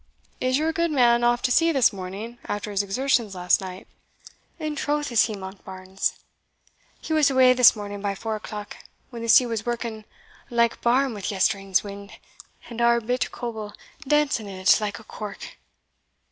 Is your goodman off to sea this morning, after his exertions last night?" "In troth is he, Monkbarns; he was awa this morning by four o'clock, when the sea was working like barm wi' yestreen's wind, and our bit coble dancing in't like a cork."